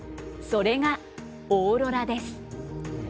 それがオーロラです。